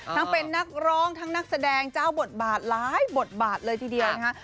ทั้งเป็นนักร้องทั้งนักแสดงเจ้าบทบาทหลายบทบาทเลยทีเดียวนะคะ